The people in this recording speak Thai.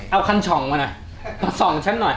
เอาคันช่องมาหน่อยมาส่องฉันหน่อย